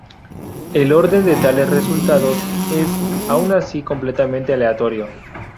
El orden de tales resultados, es, aun así, completamente aleatorio.